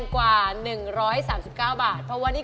กว่า๑๓๙บาท